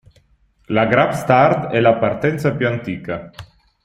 La grap start è la partenza più antica.